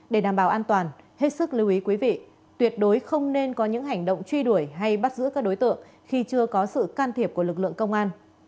để đảm bảo an toàn hết sức lưu ý quý vị tuyệt đối không nên có những hành động truy đuổi hay bắt giữ các đối tượng khi chưa có sự can thiệp của lực lượng công an